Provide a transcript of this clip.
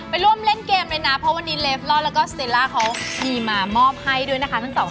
ไปร่วมเล่นเกมเลยนะเพราะวันนี้เลฟลอดและก็สติลลอดเขามีมามอบให้ด้วยนะคะทั้ง๒คนเลยค่ะ